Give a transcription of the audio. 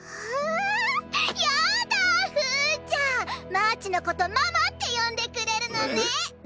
マーチのことママって呼んでくれるのねッ！